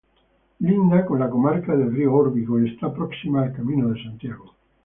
Linda con la comarca del Río Órbigo y está próxima al Camino de Santiago.